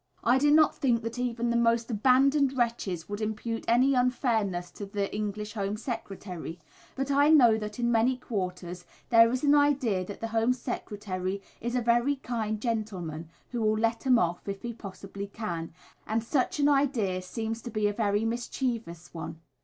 I do not think that even the most abandoned wretches would impute any unfairness to the English Home Secretary, but I know that in many quarters there is an idea that the Home Secretary is "a very kind gentleman," who will "let 'em off" if he possibly can, and such an idea seems to be a very mischievous one.